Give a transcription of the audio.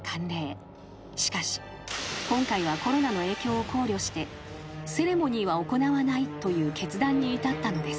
［しかし今回はコロナの影響を考慮してセレモニーは行わないという決断に至ったのです］